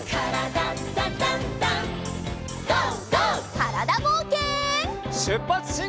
からだぼうけん。